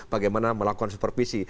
bagaimana melakukan supervisi